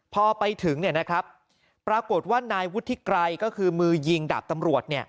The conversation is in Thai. พอไปถึงปรากฏว่านายวุฒิไกรก็คือมือยิงดาบตำรวจ